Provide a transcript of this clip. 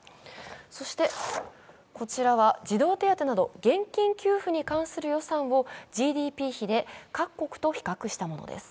そしてこちらは児童手当など現金給付に関する予算をＧＤＰ比で各国と比較したものです。